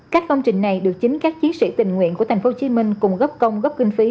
các công trình này được chính các chiến sĩ tình nguyện của tp hcm cùng góp công góp kinh phí